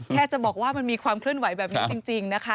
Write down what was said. แค่จะบอกว่ามันมีความเคลื่อนไหวแบบนี้จริงนะคะ